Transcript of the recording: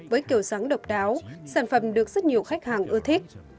với kiểu dáng độc đáo sản phẩm được rất nhiều khách hàng ưa thích